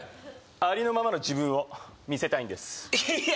ありのままの自分を見せたいんですいや